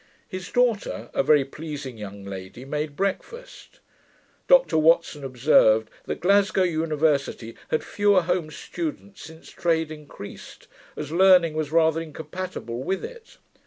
His daughter, a very pleasing young lady, made breakfast. Dr Watson observed, that Glasgow University had fewer home students, since trade increased, as learning was rather incompatible with it.